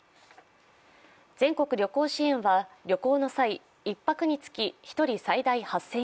全国旅行支援は、旅行の際１泊につき１人最大８０００円